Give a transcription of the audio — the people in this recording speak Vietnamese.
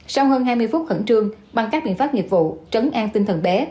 sau hơn hai mươi phút khẩn trương bằng các biện pháp nghiệp vụ trấn an tinh thần bé